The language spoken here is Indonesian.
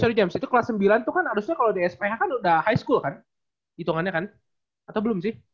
sorr james itu kelas sembilan tuh kan harusnya kalau di sph kan udah high school kan hitungannya kan atau belum sih